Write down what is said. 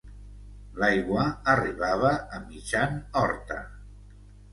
L'aigua arribava a mitjan horta.